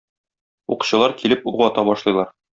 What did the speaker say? Укчылар килеп ук ата башлыйлар.